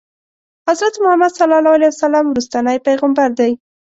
حضرت محمد صلی الله علیه وسلم وروستنی پیغمبر دی.